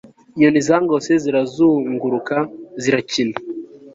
Inyoni zangose zirazunguruka zirakina